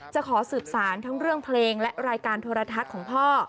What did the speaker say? ขอสืบสารทั้งเรื่องเพลงและรายการโทรทัศน์ของพ่อ